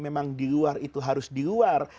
memang di luar itu harus di luar